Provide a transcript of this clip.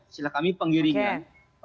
silah kami penggiringan